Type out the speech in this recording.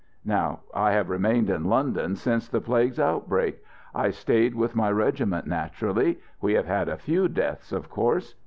Now I have remained in London since the Plague's outbreak. I stayed with my regiment, naturally. We have had a few deaths, of course.